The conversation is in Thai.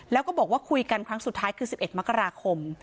แล้วก็บอกว่าคุยกันครั้งสุดท้ายคือ๑๑มกราคม